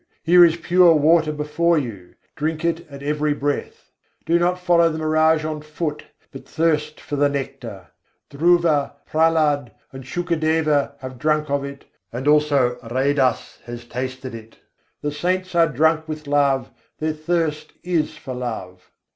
Here is pure water before you; drink it at every breath. Do not follow the mirage on foot, but thirst for the nectar; Dhruva, Prahlad, and Shukadeva have drunk of it, and also Raidas has tasted it: The saints are drunk with love, their thirst is for love.